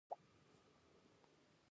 مېلمه ته خپل زړه خوشحال وساته.